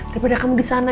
daripada kamu di sana